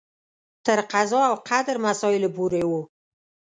تر قضا او قدر مسایلو پورې و.